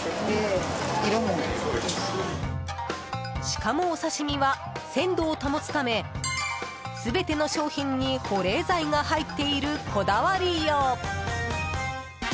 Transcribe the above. しかも、お刺身は鮮度を保つため全ての商品に保冷剤が入っているこだわりよう。